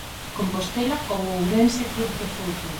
Compostela ou Ourense Club de Fútbol.